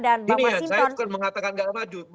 ini saya bukan mengatakan gak maju